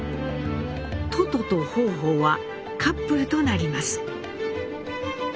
都都と方方はカップルとなります。